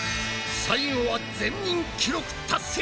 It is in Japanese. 最後は全員記録達成！